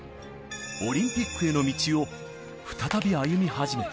オリンピックへの道を再び歩み始めた。